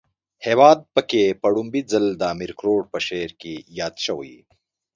هیواد پکی په ړومبی ځل د امیر کروړ په شعر کې ياد شوی